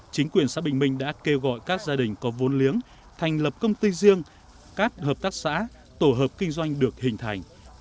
chính quyền xã bình minh đã kêu gọi các gia đình có vốn liếng thành lập công ty riêng các hợp tác xã tổ hợp kinh doanh được hình thành